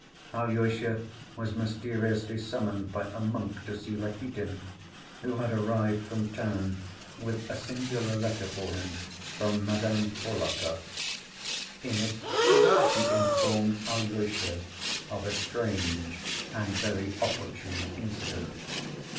Alyosha was mysteriously summoned by a monk to see Rakitin, who had arrived from town with a singular letter for him from Madame Hohlakov. In it she informed Alyosha of a strange and very opportune incident.